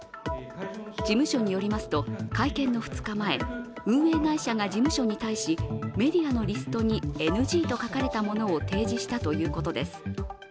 事務所によりますと、会見の２日前運営会社が事務所に対しメディアのリストにＮＧと書かれたものを提示したということです。